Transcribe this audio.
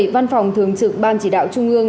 văn phòng thường trực ban chỉ đạo trung ương